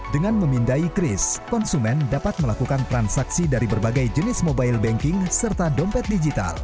dengan memindai kris konsumen dapat melakukan transaksi dari berbagai jenis mobile banking serta dompet digital